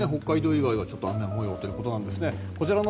以外は雨模様ということです。